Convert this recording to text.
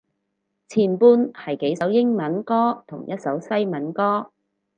前半係幾首英文歌同一首西文歌